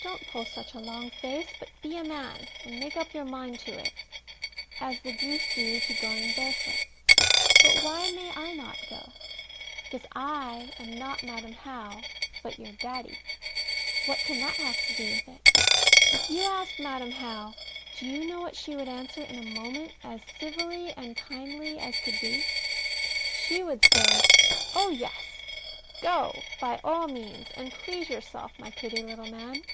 Don't pull such a long face: but be a man, and make up your mind to it, as the geese do to going barefoot. But why may I not go? Because I am not Madam How, but your Daddy. What can that have to do with it? If you asked Madam How, do you know what she would answer in a moment, as civilly and kindly as could be? She would say Oh yes, go by all means, and please yourself, my pretty little man.